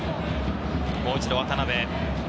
もう一度、渡辺。